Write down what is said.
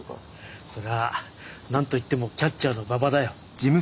それは何と言ってもキャッチャーの馬場だよ。